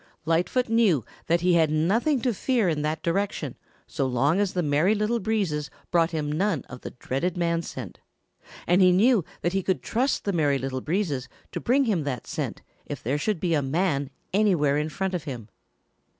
Lightfoot knew that he had nothing to fear in that direction so long as the Merry Little Breezes brought him none of the dreaded man scent, and he knew that he could trust the Merry Little Breezes to bring him that scent if there should be a man anywhere in front of him.